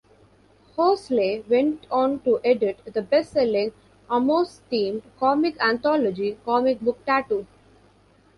Hoseley went on to edit the best selling Amos-themed comic anthology "Comic Book Tattoo".